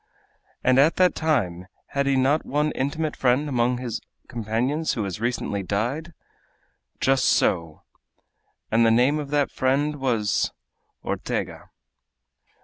"At that time had he not one intimate friend among his companions who has recently died?" "Just so!" "And the name of that friend was?" "Ortega."